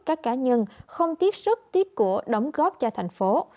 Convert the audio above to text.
các cá nhân không tiếp sức tiết của đóng góp cho thành phố